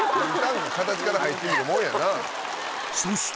形から入ってみるもんやな